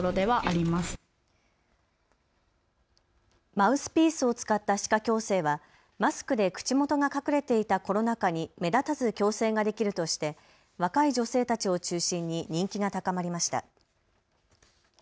マウスピースを使った歯科矯正はマスクで口元が隠れていたコロナ禍に目立たず矯正ができるとして若い女性たちを中心に人気が高まりました。